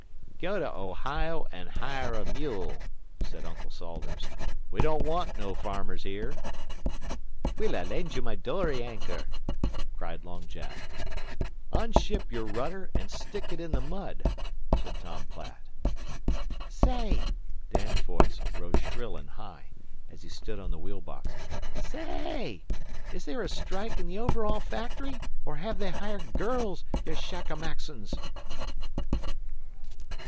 "Go to Ohio an' hire a mule," said Uncle Salters. "We don't want no farmers here." "Will I lend YOU my dory anchor?" cried Long Jack. "Unship your rudder an' stick it in the mud," bawled Tom Platt. "Say!" Dan's voice rose shrill and high, as he stood on the wheel box. "Sa ay! Is there a strike in the o ver all factory; or hev they hired girls, ye Shackamaxons?"